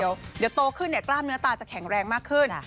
เดี๋ยวโตขึ้นกล้ามเนื้อตาจะแข็งแรงมากขึ้น